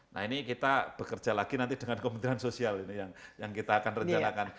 nah ini kita bekerja lagi nanti dengan kementerian sosial ini yang kita akan rencanakan